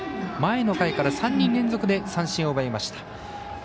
前の回から３人連続で三振を奪いました。